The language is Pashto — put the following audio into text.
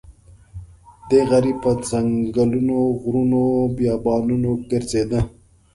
دی غریب په ځنګلونو غرونو بیابانونو ګرځېده.